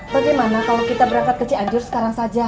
bagaimana kalo kita berangkat ke ci anjur sekarang saja